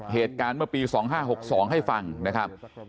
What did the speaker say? เหตุการณ์เมื่อปี๒๕๖๒ให้ฟังนะครับ